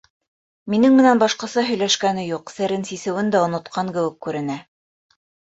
Минең менән башҡаса һөйләшкәне юҡ, серен сисеүен дә онотҡан кеүек күренә.